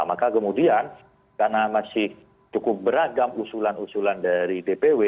maka kemudian karena masih cukup beragam usulan usulan dari dpw